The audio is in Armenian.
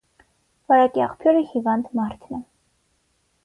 Վարակի աղբյուրը հիվանդ մարդն է։